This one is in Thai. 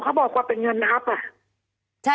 เขาบอกว่าเป็นเงินอัพอ่ะ